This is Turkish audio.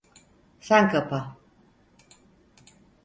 Sen kapa.